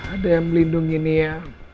ada yang melindungi nia